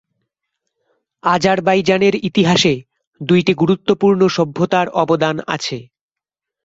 আজারবাইজানের ইতিহাসে দুইটি গুরুত্বপূর্ণ সভ্যতার অবদান আছে।